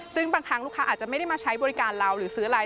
ซึ่งบางทางลูกค้าอาจจะไม่ได้มาใช้บริการเราหรือซื้ออะไร